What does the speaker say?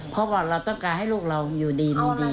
เพราะว่าเราต้องการให้ลูกเราอยู่ดีมีดี